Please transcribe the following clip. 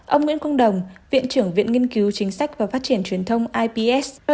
ông nguyễn quang đồng viện trưởng viện nghiên cứu chính sách và phát triển truyền thông ips cho